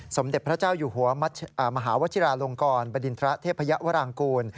สมเด็จพระเจ้าอยู่หัวมหาวชิราลงกรบดินทระเทพยวรางกูล